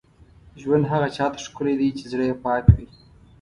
ژوند هغه چا ته ښکلی دی، چې زړه یې پاک وي.